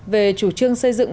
về chủ trương xây dựng